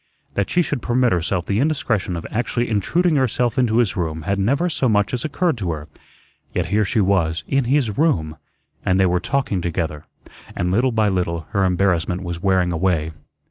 That she should permit herself the indiscretion of actually intruding herself into his room had never so much as occurred to her. Yet here she was, IN HIS ROOM, and they were talking together, and little by little her embarrassment was wearing away.